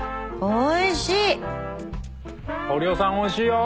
おいしいよ。